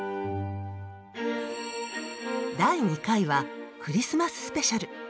第２回はクリスマススペシャル。